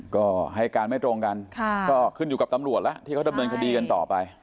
ก็ให้การไม่ตรงกันก็ขึ้นอยู่กับตำรวจแล้วที่เขาดำเนินคดีกันต่อไป